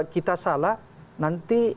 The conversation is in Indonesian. kita salah nanti